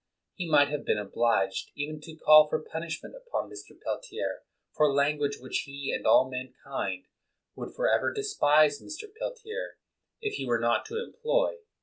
He might have been obliged even to call for punishment upon Mr. Peltier for lan guage which he and all mankind would for ever despise Mr. Peltier if he were not to employ.